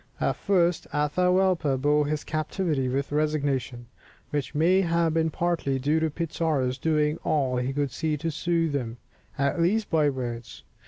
At first Atahualpa bore his captivity with resignation, which may have been partly due to Pizarro's doing all he could to soothe him, at least by words.